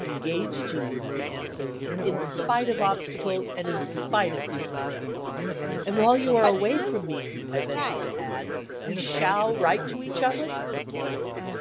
"Engaged to you," he answered, "in spite of obstacles and in spite of time." "And while you are away from me," I ventured to add, "we shall write to each other?"